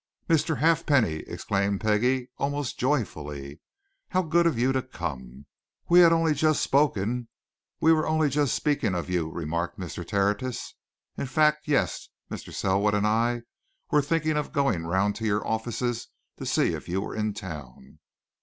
"Mr. Halfpenny!" exclaimed Peggie, almost joyfully. "How good of you to come!" "We had only just spoken were only just speaking of you," remarked Mr. Tertius. "In fact yes, Mr. Selwood and I were thinking of going round to your offices to see if you were in town."